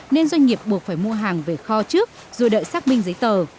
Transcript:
nên doanh nghiệp buộc phải mua hàng về kho trước rồi đợi xác minh giấy tờ